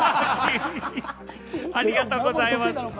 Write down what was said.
ありがとうございます。